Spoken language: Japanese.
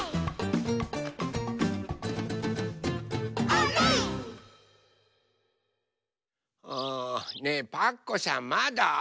あねえパクこさんまだ？